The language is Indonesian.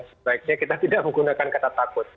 sebaiknya kita tidak menggunakan kata takut